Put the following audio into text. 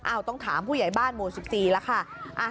ต้องถามผู้ใหญ่บ้านหมู่๑๔แล้วค่ะ